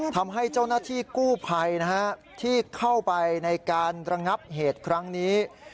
ทำให้เจ้าหน้าที่กู้ภัยที่เข้าไปในการระงับเหตุครั้งนี้